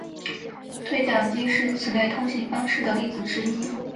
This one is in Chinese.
对讲机是此类通信方式的例子之一。